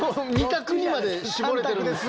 ２択にまで絞れてるんです。